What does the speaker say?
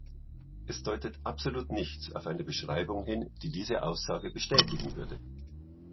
Es deutet absolut nichts auf eine Beschreibung hin, die diese Aussage bestätigen würde.